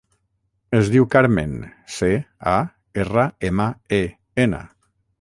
Es diu Carmen: ce, a, erra, ema, e, ena.